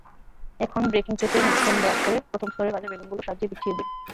এখন বেকিং ট্রেতে মাখন ব্রাশ করে প্রথম স্তরে ভাজা বেগুনগুলো সাজিয়ে বিছিয়ে দিন।